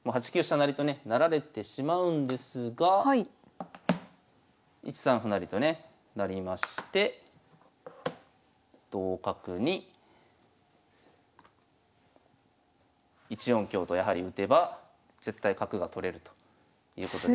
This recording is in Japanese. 成とね成られてしまうんですが１三歩成とねなりまして同角に１四香とやはり打てば絶対角が取れるということで。